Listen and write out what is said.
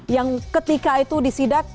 yang ketika itu disidak